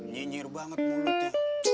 nyinyir banget mulutnya